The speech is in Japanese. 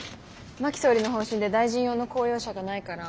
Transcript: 真木総理の方針で大臣用の公用車がないから。